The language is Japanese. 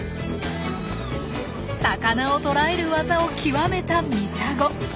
魚を捕らえる技を極めたミサゴ。